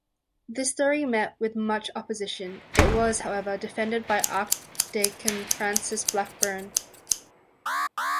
This theory met with much opposition; it was, however, defended by Archdeacon Francis Blackburne.